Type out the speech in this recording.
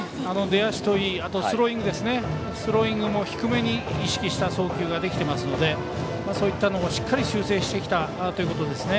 出足といい、あとはスローイングも低めに意識した送球ができていますのでそういったことはしっかり修正してきたということですね。